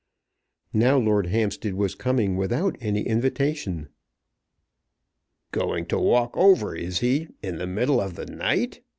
Now Lord Hampstead was coming without any invitation. "Going to walk over, is he, in the middle of the night?"